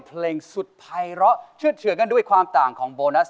เพลงสุดไพร้ะชื่อเฉื่อกันด้วยความต้างของโบนัส